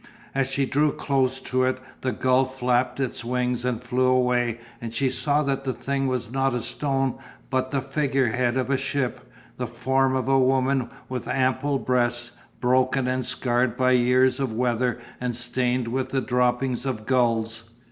As she drew close to it the gull flapped its wings and flew away and she saw that the thing was not a stone but the figure head of a ship, the form of a woman with ample breasts, broken and scarred by years of weather and stained with the droppings of gulls.